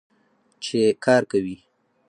چې کار کوي.